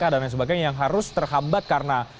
dan lain sebagainya yang harus terhambat karena